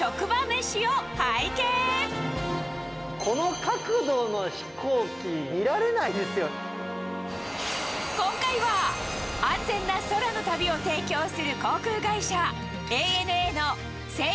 この角度の飛行機、見られな今回は安全な空の旅を提供する航空会社、ＡＮＡの整備